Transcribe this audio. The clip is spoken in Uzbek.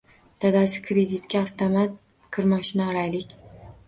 Dadasi, kreditga avtomat kirmoshina olaylik